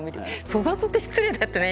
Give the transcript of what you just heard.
粗雑って失礼だったね。